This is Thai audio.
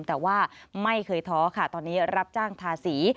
แต่ว่าไม่เคยท้อค่ะตอนนี้รับจ้างทาสี